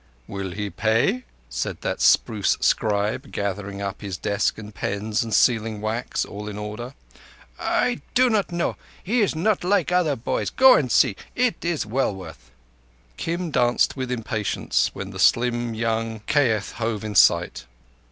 "Will he pay?" said the spruce scribe, gathering up his desk and pens and sealing wax all in order. "I do not know. He is not like other boys. Go and see. It is well worth." Kim danced with impatience when the slim young Kayeth hove in sight.